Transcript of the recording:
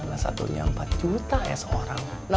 ada satunya empat juta ya seorang